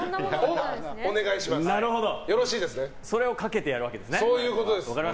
それをかけてやるわけですね。